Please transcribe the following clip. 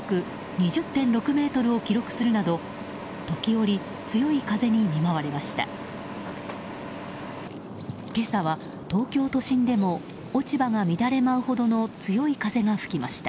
２０．６メートルを記録するなど時折、強い風に見舞われました。